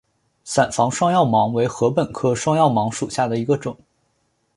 伞房双药芒为禾本科双药芒属下的一个种。